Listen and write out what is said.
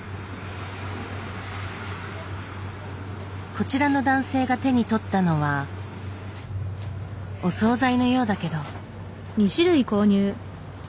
こちらの男性が手に取ったのはお総菜のようだけど。